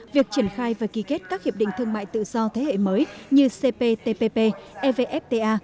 việc triển khai và ký kết các hiệp định thương mại tự do thế hệ mới như cptpp evfta